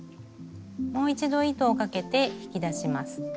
もう一度糸をかけて引き出します。